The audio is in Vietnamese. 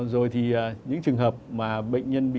rồi thì những trường hợp mà bệnh nhân bị